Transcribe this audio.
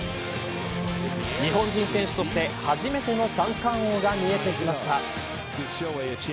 日本人選手として初めての三冠王が見えてきました。